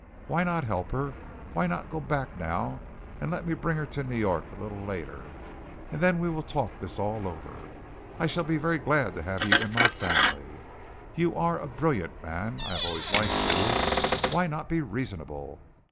Why not help her? Why not go back now and let me bring her to New York a little later and then we will talk this all over. I shall be very glad to have you in my family. You are a brilliant man. I have always liked you. Why not be reasonable?